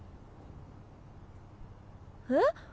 えっ？